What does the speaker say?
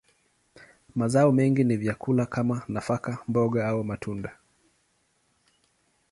Mazao mengi ni vyakula kama nafaka, mboga, au matunda.